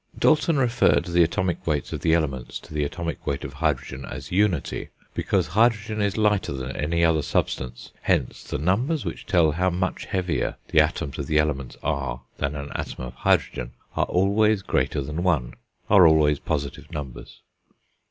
Dalton referred the atomic weights of the elements to the atomic weight of hydrogen as unity, because hydrogen is lighter than any other substance; hence the numbers which tell how much heavier the atoms of the elements are than an atom of hydrogen are always greater than one, are always positive numbers.